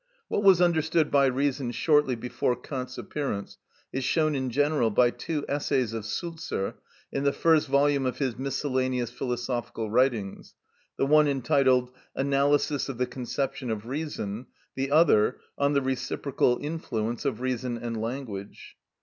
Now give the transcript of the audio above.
What was understood by reason shortly before Kant's appearance is shown in general by two essays of Sulzer in the first volume of his miscellaneous philosophical writings, the one entitled "Analysis of the Conception of Reason," the other, "On the Reciprocal Influence of Reason and Language."